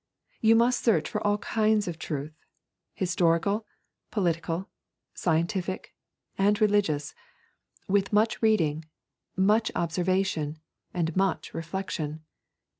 You must search for all kinds of truth, historical, political, scientific, and religious, with much reading, much observation, and much reflection.